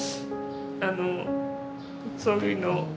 あのそういうのを。